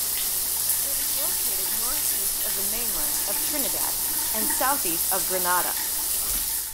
It is located northeast of the mainland of Trinidad and southeast of Grenada.